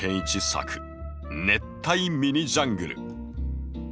作「熱帯ミニジャングル」。